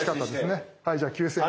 じゃあ９，０００円。